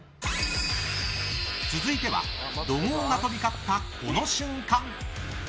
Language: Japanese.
続いては怒号が飛び交ったこの瞬間。